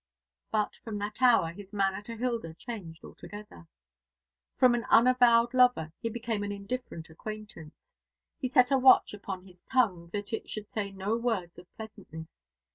But from that hour his manner to Hilda changed altogether. From an unavowed lover he became an indifferent acquaintance. He set a watch upon his tongue that it should say no words of pleasantness.